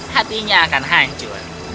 hatinya akan hancur